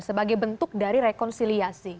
sebagai bentuk dari rekonsiliasi